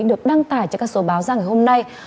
được đăng tải trên các số báo ra ngày hôm nay